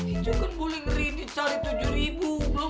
itu kan boleh ngeri dicari tujuh ribu belum lunas lagi